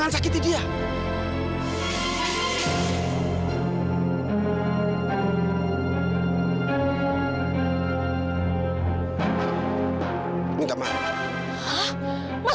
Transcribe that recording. ini pasti baju saya